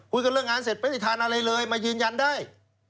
เรื่องงานเสร็จไม่ได้ทานอะไรเลยมายืนยันได้